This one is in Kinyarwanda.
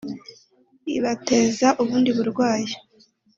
ibateza ubundi burwayi"